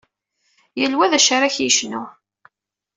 Yal wa d acu ar ak-d-yecnu!